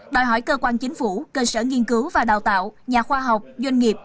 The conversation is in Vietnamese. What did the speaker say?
đòi hỏi cơ quan chính phủ cơ sở nghiên cứu và đào tạo nhà khoa học doanh nghiệp